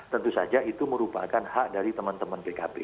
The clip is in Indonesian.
tentu saja itu merupakan hak dari teman teman pkb